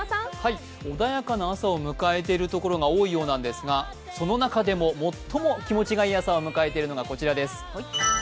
穏やかな朝を迎えているところが多いようなんですが、その中でも最も気持ちがいい朝を迎えているのがこちらです。